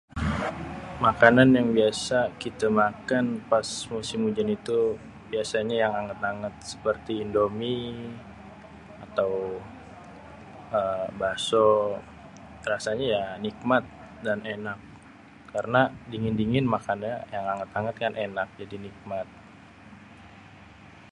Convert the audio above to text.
Makanan yang biasa kitê makan pas musim hujan itu biasanya yang angêt-angêt seperti indomiè.. atau ahhh baso.. rasanya ya nikmat dan ènak, Karena dingin-dingin makannya yang angêt-angêt kan ènak jadi nikmat.